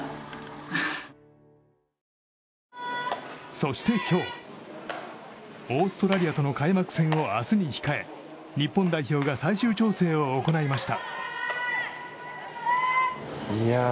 そして今日オーストラリアとの開幕戦を明日に控え日本代表が最終調整を行いました。